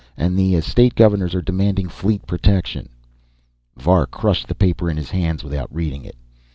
And the Estate Governors are demanding fleet protection." Var crushed the paper in his hands without reading it.